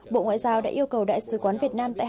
bộ ngoại giao đã yêu cầu đại sứ quán việt nam tại hàn quốc